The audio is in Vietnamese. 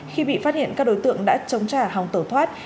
khi bị phát hiện các đối tượng đã chống trả hòng tẩu thoát